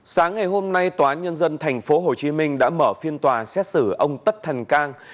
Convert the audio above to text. sáng ngày hôm nay tòa án nhân dân tp hcm đã mở phiên tòa xét xử ông tất thần cang